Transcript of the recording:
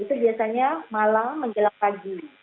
itu biasanya malam menjelang pagi